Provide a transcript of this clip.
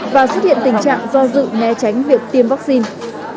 và xuất hiện tình trạng do dự né tránh việc tiêm vaccine